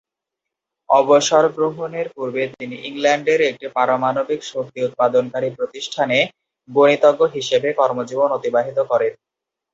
অবসরগ্রহণের পূর্বে তিনি ইংল্যান্ডের একটি পারমাণবিক শক্তি উৎপাদনকারী প্রতিষ্ঠানে গণিতজ্ঞ হিসেবে কর্মজীবন অতিবাহিত করেন।